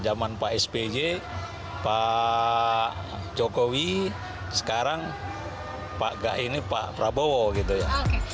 zaman pak spj pak jokowi sekarang pak rabowo gitu ya